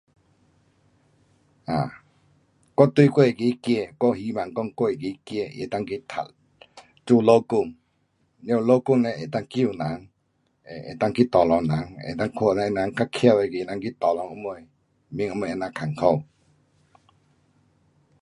um 我对我那个儿，我希望讲我那个儿他那个去读做医生。了医生嘞能够救人，能够去 tolong 人，那个看那个人较翘那个人去 tolong 什么，免这么困苦。